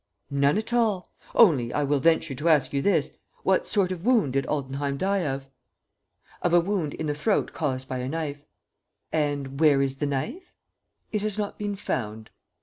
"None at all; only, I will venture to ask you this: what sort of wound did Altenheim die of?" "Of a wound in the throat caused by a knife." "And where is the knife?" "It has not been found."